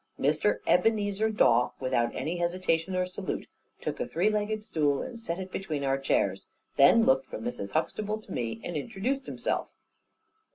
Mr. Ebenezer Dawe, without any hesitation or salute, took a three legged stool, and set it between our chairs, then looked from Mrs. Huxtable to me, and introduced himself.